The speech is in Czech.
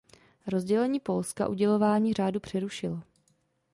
Rozdělení Polska udělování řádu přerušilo.